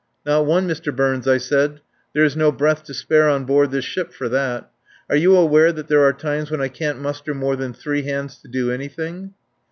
"Not one, Mr. Burns," I said. "There is no breath to spare on board this ship for that. Are you aware that there are times when I can't muster more than three hands to do anything?"